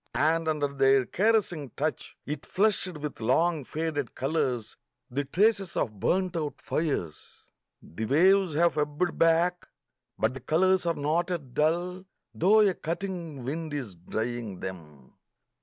. and under their caressing touch it flushed with long faded colours, the traces of burnt out fires ! The waves have ebbed back ... but the colours are not yet dull, though a cutting wind is drying them.